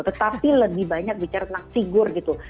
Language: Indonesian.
tetapi lebih banyak bicara tentang figur gitu